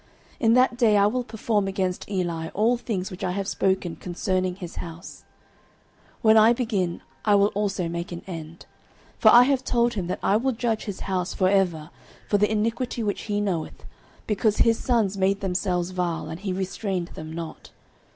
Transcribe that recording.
09:003:012 In that day I will perform against Eli all things which I have spoken concerning his house: when I begin, I will also make an end. 09:003:013 For I have told him that I will judge his house for ever for the iniquity which he knoweth; because his sons made themselves vile, and he restrained them not.